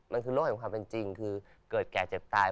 มันคือโรคแห่งความเป็นจริงคือเกิดแก่เจ็บตาย